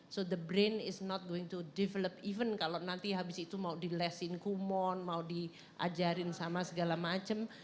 so the brain is not going to develop even kalau nanti habis itu mau di less in kumon mau diajarin sama segala macem